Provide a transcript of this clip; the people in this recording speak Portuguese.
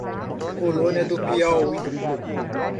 Colônia do Piauí